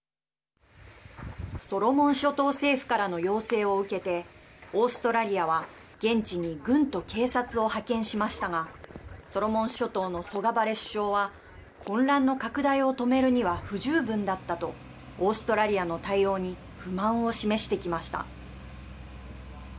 ソロモン諸島政府からの要請を受けてオーストラリアは現地に軍と警察を派遣しましたがソロモン諸島のソガバレ首相は混乱の拡大を止めるには不十分だったとオーストラリアの対応に不満を示してきました。